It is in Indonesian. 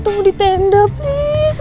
tunggu di tenda please